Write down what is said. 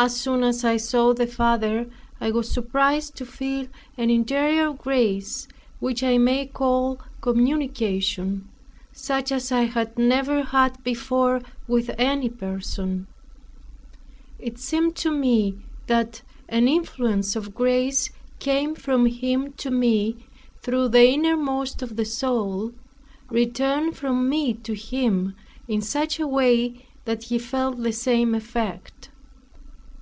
As soon as I saw that father, I was surprised to feel an interior grace, which I may call communication; such as I had never had before with any person. It seemed to me that an influence of grace came from him to me, through the innermost of the soul; returned from me to him, in such a way that he felt the same effect.